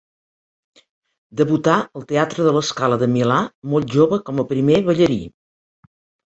Debutà al teatre de La Scala de Milà, molt jove com a primer ballarí.